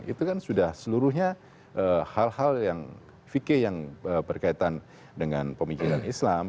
itu kan sudah seluruhnya hal hal yang fikih yang berkaitan dengan pemikiran islam